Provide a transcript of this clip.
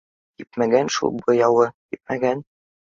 — Кипмәгән шул буяуы, кипмәгән